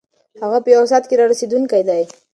هغه په یوه ساعت کې رارسېدونکی دی.